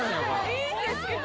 いいんですけど。